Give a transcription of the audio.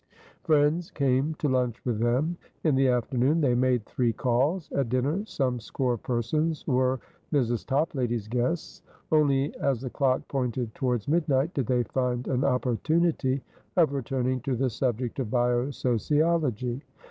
Friends came to lunch with them. In the afternoon, they made three calls. At dinner some score of persons were Mrs. Toplady's guests. Only as the clock pointed towards midnight did they find an opportunity of returning to the subject of bio sociology.